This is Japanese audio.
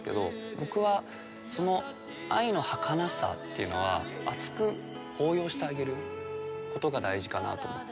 僕はその愛のはかなさというのは熱く抱擁してあげることが大事かなと思って。